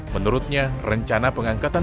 menurutnya rencana pengangkatan